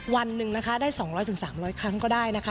วันหนึ่งได้๒๐๐ถึง๓๐๐ครั้งก็ได้